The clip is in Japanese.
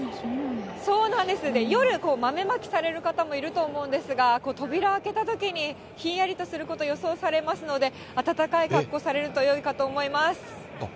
夜、豆まきされる方もいると思うんですが、扉開けたときにひんやりとすること予想されますので、暖かい格好をされるとよいかと思います。